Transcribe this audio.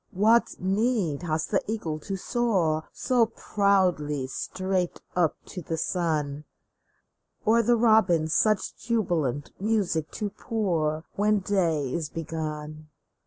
What need has the eagle to soar So proudly straight up to the sun ? Or the robin such jubilant music to pour When day is begun ?